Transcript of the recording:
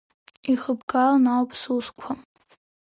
Ихыбгалон ауп сусқәа.